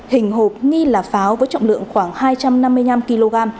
hình hộp nghi là pháo với trọng lượng khoảng hai trăm năm mươi năm kg